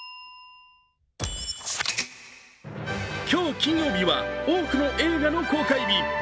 今日、金曜日は多くの映画の公開日。